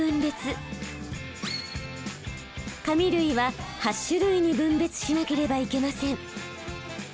紙類は８種類に分別しなければいけません。